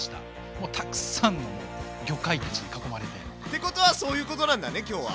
もうたくさんの魚介たちに囲まれて。ってことはそういうことなんだね今日は。